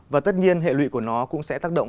và tất nhiên hệ lụy của nó cũng sẽ tác động